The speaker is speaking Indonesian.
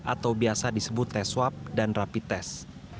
atau biasa disebut tes swab dan rapid test